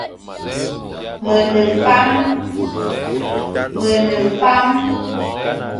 Me ne fame.